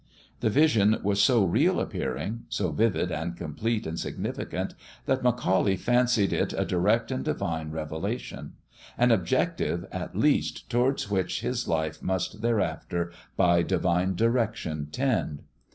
The vision was so real appearing, so vivid and com plete and significant, that McAuley fancied it a direct and divine revelation an objective, at least, towards which his life must there after by divine direction tend.